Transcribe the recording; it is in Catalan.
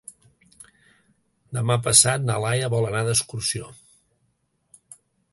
Demà passat na Laia vol anar d'excursió.